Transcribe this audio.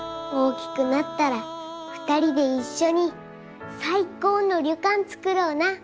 大きくなったら２人で一緒に最高の旅館つくろうな！